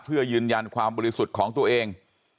เพื่อยืนยันความบริสุทธิ์ของตัวเอง